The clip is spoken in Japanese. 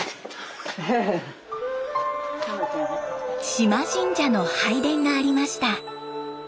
島神社の拝殿がありました。